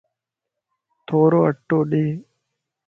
ٿورو اٽو ڏي